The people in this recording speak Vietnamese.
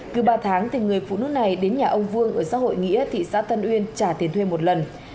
cứ ba tháng thì người phụ nữ này đến nhà ông vương ở xã hội nghĩa thị xã tân uyên trả tiền thuê một lần